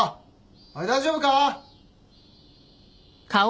おい大丈夫か？